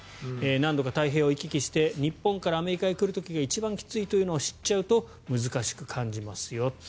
何度か太平洋を行き来して日本からアメリカに来る時が一番きついというのを知っちゃうと難しく感じますよ。